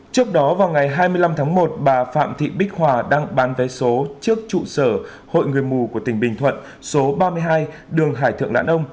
trước đó vào ngày hai mươi năm tháng một bà phạm thị bích hòa đang bán vé số trước trụ sở hội người mù của tỉnh bình thuận số ba mươi hai đường hải thượng lãn ông